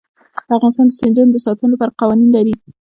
افغانستان د سیندونه د ساتنې لپاره قوانین لري.